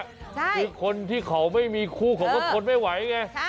ถ้าคุณท่านไม่มีคู่แล้วผมก็ไปกันอย่างไง